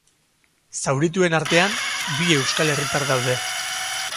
Zaurituen artean, bi euskal herritar daude.